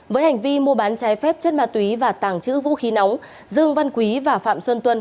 với hành vi mua bán trái phép chất ma túy và tàng trữ vũ khí nóng dương văn quý và phạm xuân tuân